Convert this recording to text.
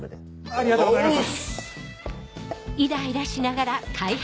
ありがとうございます！